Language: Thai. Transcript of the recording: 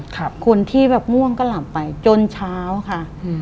คนที่แบบม่วงก็หล่ำไปจนเช้าค่ะ